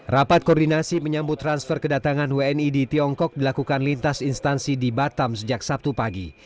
rapat koordinasi menyambut transfer kedatangan wni di tiongkok dilakukan lintas instansi di batam sejak sabtu pagi